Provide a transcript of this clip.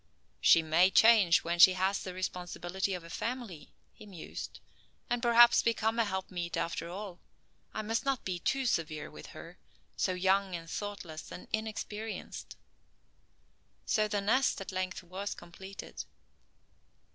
"She may change when she has the responsibility of a family," he mused, "and perhaps become a helpmeet after all. I must not be too severe with her, so young and thoughtless and inexperienced." So the nest at length was completed.